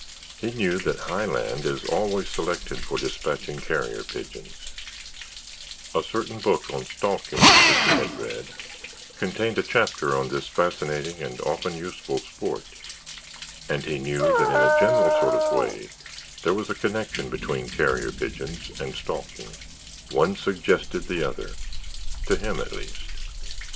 He knew that high land is always selected for despatching carrier pigeons; a certain book on stalking which he had read contained a chapter on this fascinating and often useful sport and he knew that in a general sort of way there was a connection between carrier pigeons and stalking; one suggested the other—to him, at least.